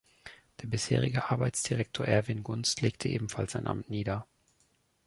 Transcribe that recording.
Der bisherige Arbeitsdirektor Erwin Gunst legte ebenfalls sein Amt nieder.